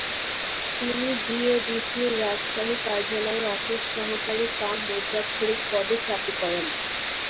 তিনি বিএডিসির রাজশাহী কার্যালয়ে অফিস সহকারী কাম মুদ্রাক্ষরিক পদে চাকরি করেন।